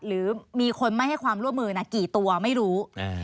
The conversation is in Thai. หรือมีคนไม่ให้ความร่วมมือกี่ตัวไม่รู้